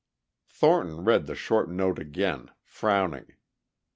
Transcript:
Thornton read the short note again, frowning.